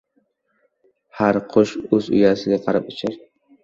Har qush o'z uyasiga qarab uchar.